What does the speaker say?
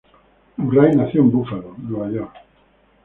Murray nació en Buffalo, Nueva York.